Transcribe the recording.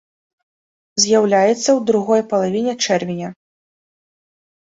З'яўляецца ў другой палавіне чэрвеня.